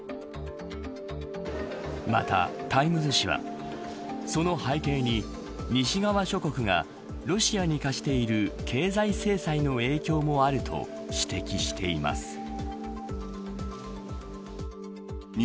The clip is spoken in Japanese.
また、タイムズ紙はその背景に西側諸国がロシアに科している経済制裁の影響もあると指摘しています。